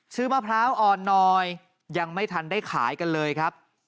มะพร้าวอ่อนน้อยยังไม่ทันได้ขายกันเลยครับ